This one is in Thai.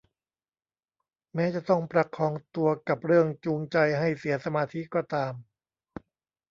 แม้จะต้องประคองตัวกับเรื่องจูงใจให้เสียสมาธิก็ตาม